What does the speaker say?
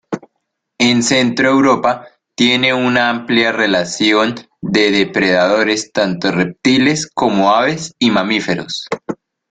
En Centroeuropa tiene una amplia relación de depredadores tanto reptiles como aves y mamíferos.